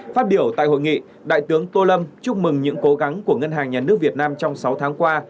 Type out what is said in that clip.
phát biểu tại hội nghị đại tướng tô lâm chúc mừng những cố gắng của ngân hàng nhà nước việt nam trong sáu tháng qua